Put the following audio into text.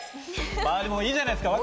まあでもいいじゃないですか。